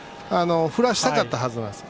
振らしたかったはずなんです。